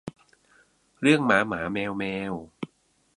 เรื่องหมาหมาแมวแมว